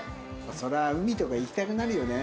そりゃ海とか行きたくなるよね。